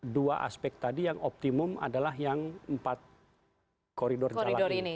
dua aspek tadi yang optimum adalah yang empat koridor jalan ini